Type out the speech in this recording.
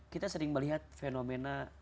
kita sering melihat fenomena